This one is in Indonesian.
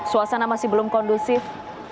suasana masih belum kondusif